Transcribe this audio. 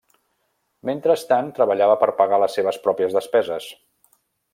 Mentrestant, treballava per pagar les seves pròpies despeses.